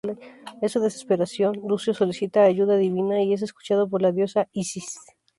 En su desesperación, Lucio solicita ayuda divina y es escuchado por la diosa Isis.